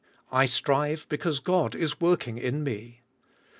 I strive because God is working in me.